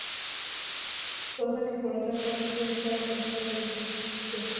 Cosa que por otra parte ya estaba conseguida desde Descartes.